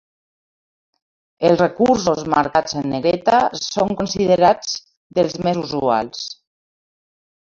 Els recursos marcats en negreta són considerats dels més usuals.